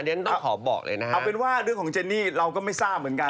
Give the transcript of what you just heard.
เอาเป็นว่าเรื่องของเจนี่เราก็ไม่ทราบเหมือนกัน